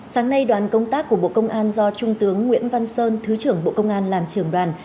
sáng nay đoàn công tác của bộ công an do trung tướng nguyễn văn sơn thứ trưởng bộ công an làm trưởng đoàn